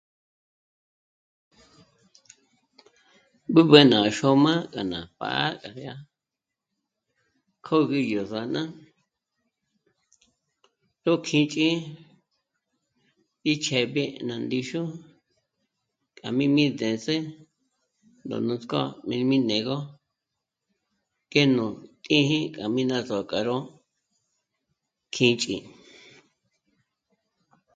B'ǚb'ü ná xôma gá ná pá'a gá rí 'a kü̂gü gó zàna ró kī́ch'i íchéb'i ná ndíxu k'a mī́mi ndés'ē gó nuts'k'ó mī́mi né'égö k'e nú tī́jī k'a mi ná zò'o k'a ró kī́ch'i